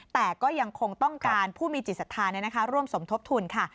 แต่ก็ยังคงต้องการผู้มีจิตศรัทธาร่วมสมทบทุนค่ะ